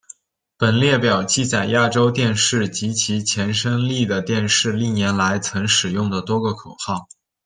本列表记载亚洲电视及其前身丽的电视历年来曾使用的多个口号。